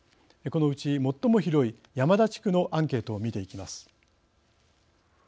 このうち最も広い山田地区のアンケートを見ていきます。